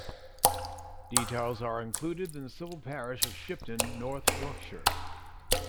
Details are included in the civil parish of Shipton, North Yorkshire.